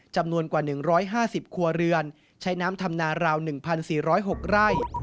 จำนวนกว่า๑๕๐ครัวเรือนใช้น้ำทำนาราว๑๔๐๖ไร่